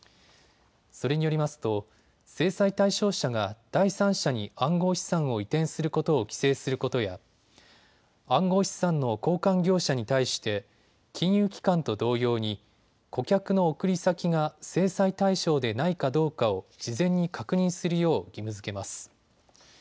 それによりますと制裁対象者が第三者に暗号資産を移転することを規制することや暗号資産の交換業者に対して金融機関と同様に顧客の送り先が制裁対象でないかどうかを事前に確認するよう義務づけます。